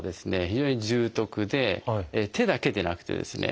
非常に重篤で手だけでなくてですね